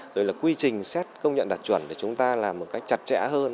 rồi là quy trình xét công nhận đạt chuẩn để chúng ta làm một cách chặt chẽ hơn